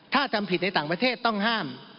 ถ้าทำผิดในต่างประเทศต้องห้าม